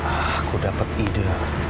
aku dapat ide